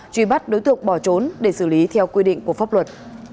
truy bắt đối tượng bỏ trốn để xử lý theo quy định của pháp luật